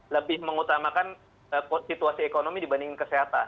lebih mengutamakan situasi ekonomi dibandingkan kesehatan